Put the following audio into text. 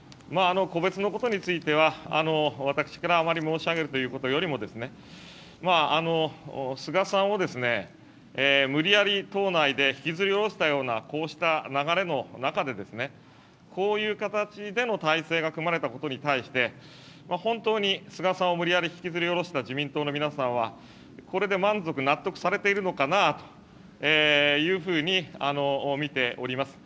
個別のことについては私からあまり申し上げるということよりも、菅さんを無理やり党内で引きずり下ろしたような、こうした流れの中で、こういう形での体制が組まれたことに対して、本当に菅さんを無理やり引きずり下ろした自民党の皆さんは、これで満足、納得されているのかなというふうに見ております。